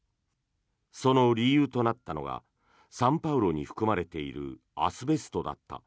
その理由となったのが「サンパウロ」に含まれているアスベストだった。